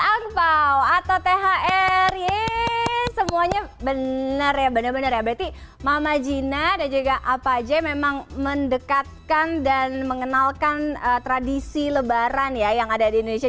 angpao atau thr yeay semuanya benar ya benar benar ya berarti mama gina dan juga apa aja memang mendekatkan dan mengenalkan tradisi lebaran ya yang ada di indonesia